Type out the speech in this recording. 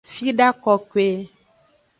Fida kokoe.